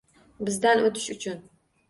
Bizdan o'tish uchun